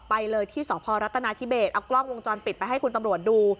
ไปเลยที่สพรัฐนาธิเบสเอากล้องวงจรปิดไปให้คุณตำรวจดู